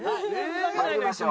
参りましょう。